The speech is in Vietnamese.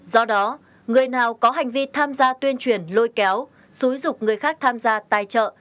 do đó người nào có hành vi tham gia tuyên truyền lôi kéo xúi dục người khác tham gia tài trợ